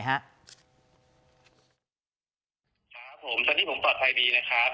ครับผมตอนนี้ผมปลอดภัยดีนะครับ